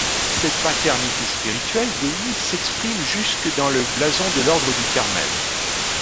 Cette paternité spirituelle d'Élie s'exprime jusque dans le blason de l'ordre du Carmel.